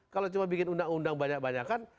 kalau cuma bikin undang undang banyak banyakan